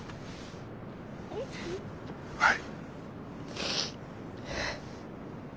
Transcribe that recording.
はい。